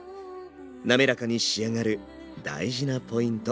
なめらかに仕上がる大事なポイント。